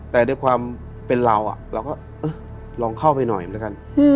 แต่ด้วยความเป็นเราเราก็ลองเข้าไปหน่อยแล้วกัน